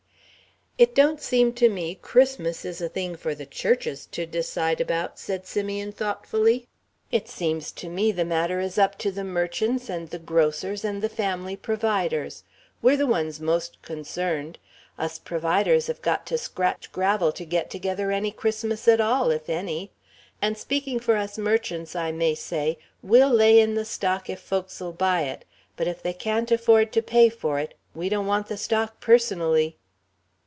"It don't seem to me Christmas is a thing for the churches to decide about," said Simeon, thoughtfully. "It seems to me the matter is up to the merchants and the grocers and the family providers. We're the ones most concerned. Us providers have got to scratch gravel to get together any Christmas at all, if any. And speaking for us merchants, I may say, we'll lay in the stock if folks'll buy it. But if they can't afford to pay for it, we don't want the stock personally."